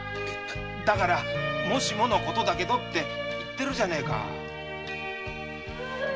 だからもしものことだけどって言ってるじゃねえか。